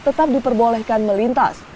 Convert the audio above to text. tetap diperbolehkan melintas